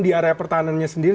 di area pertahanannya sendiri